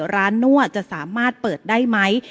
นั่วจะสามารถเปิดได้ไหม